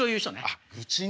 あっ愚痴ね。